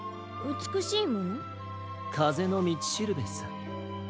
かぜのみちしるべさ。